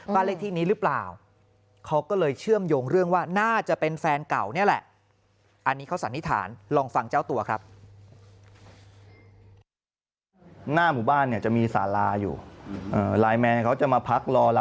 เลขที่นี้หรือเปล่าเขาก็เลยเชื่อมโยงเรื่องว่าน่าจะเป็นแฟนเก่านี่แหละ